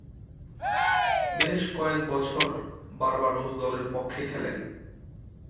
বেশ কয়েক বছর বার্বাডোস দলের পক্ষে খেলেন।